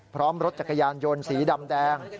พร้อมรถจักรยานยนต์สีดำแดง